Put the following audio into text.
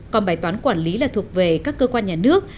còn bài toán quản lý là thuộc về các cơ quan nhà nước